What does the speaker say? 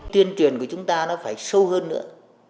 tuyên truyền của chúng ta nó phải sâu hơn nữa